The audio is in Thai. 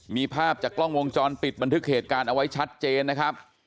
มีภาพจากกล้องวงจรปิดบันทึกเหตุการณ์เอาไว้ชัดเจนนะครับ